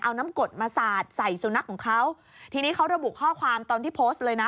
เอาน้ำกดมาสาดใส่สุนัขของเขาทีนี้เขาระบุข้อความตอนที่โพสต์เลยนะ